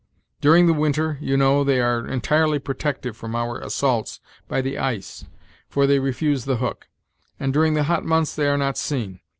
During the winter, you know, they are entirely protected from our assaults by the ice, for they refuse the hook; and during the hot months they are not seen.